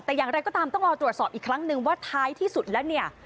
แต่อย่างไรก็ตามต้องรอตรวจสอบอีกครั้งนึงว่าท้ายที่สุดแล้วเนี่ย